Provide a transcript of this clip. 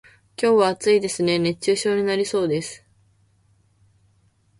今日は暑いですね、熱中症になりそうです。